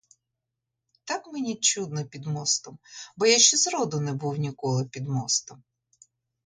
Так мені чудно під мостом, бо я ще зроду не був ніколи під мостом.